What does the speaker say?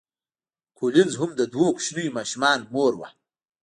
کولینز هم د دوو کوچنیو ماشومانو مور وه.